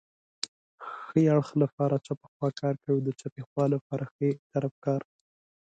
ښي اړخ لپاره چپه خواکار کوي او د چپې خوا لپاره ښی طرف کار